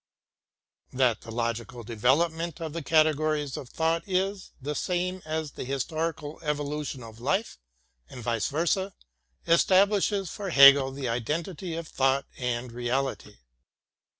That the logical development of the categories of thought i^ the same as the historical evolution of life — and vice versa — establishes for Hegel the identity of thought and reality.